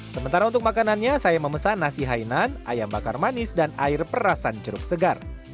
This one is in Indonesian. sementara untuk makanannya saya memesan nasi hainan ayam bakar manis dan air perasan jeruk segar